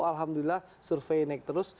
alhamdulillah survei naik terus